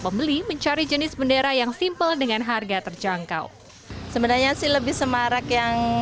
pembeli mencari jenis bendera yang simpel dengan harga terjangkau sebenarnya sih lebih semarak yang